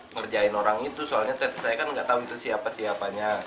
ngerjain orang itu soalnya teteh saya kan gak tau itu siapa siapanya